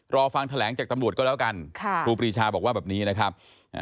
รอฟังแถลงจากตำรวจก็แล้วกันครูปรีชาบอกว่าแบบนี้นะครับ